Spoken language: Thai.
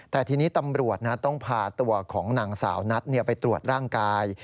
แต่ทีนี้ตำรวจต้องพาตัวของนางสาวนัทไปตรวจร่างกาย